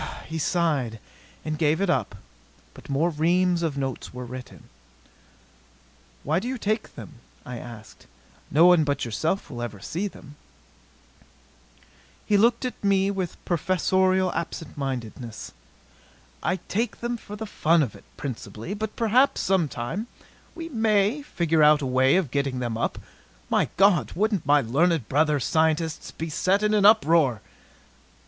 He sighed and gave it up. But more reams of notes were written. "Why do you take them?" I asked. "No one but yourself will ever see them." He looked at me with professorial absent mindedness. "I take them for the fun of it, principally. But perhaps, sometime, we may figure out a way of getting them up. My God! Wouldn't my learned brother scientists be set in an uproar!"